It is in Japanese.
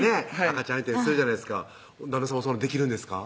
赤ちゃん相手にするじゃないですか旦那さんはできるんですか？